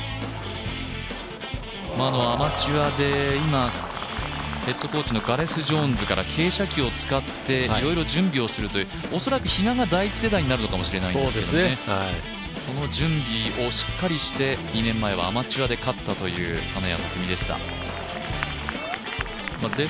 アマチュアで今、ヘッドコーチのガレス・ジョーンズから傾斜機を使っていろいろ準備をするという恐らく比嘉が第１世代になるのかもしれませんがその準備をしっかりして２年前はアマチュアで勝ったという金谷拓実でした。